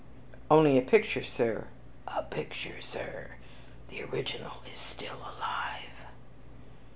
"Only a picture, Sir." "A picture, Sir! the original is still alive."